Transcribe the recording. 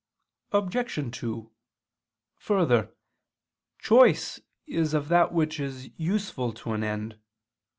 Obj. 2: Further, choice is of that which is useful to an end.